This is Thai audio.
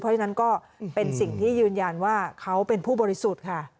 เพราะฉะนั้นก็เป็นสิ่งที่ยืนยันว่าเขาเป็นผู้บริสุทธิ์ค่ะ